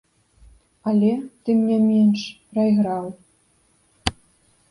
Але, тым не менш, прайграў.